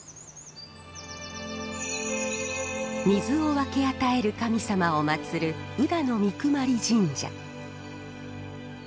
水を分け与える神様を祭る宇太水分神社。